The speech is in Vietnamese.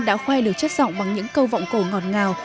đã khoe được chất giọng bằng những câu vọng cổ ngọt ngào